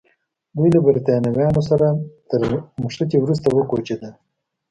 دوی له برېټانویانو سره تر نښتې وروسته وکوچېدل.